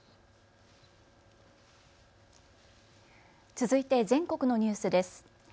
続いて全国のニュースです。